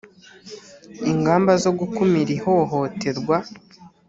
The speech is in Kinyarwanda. ingamba zo gukumira ihohoterwa.